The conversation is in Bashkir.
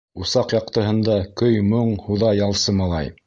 Усаҡ яҡтыһында көй-моң һуҙа ялсы малай.